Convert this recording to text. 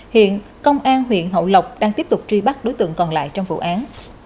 hiện công an huyện hậu lộc đang tiếp tục truy bắt đối tượng còn lại trong vụ án